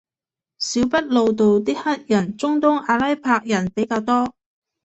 小北路度啲黑人中東阿拉伯人比較多